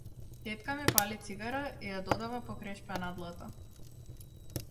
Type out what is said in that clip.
Тетка ми пали цигара и ја додава покрај шпенадлата.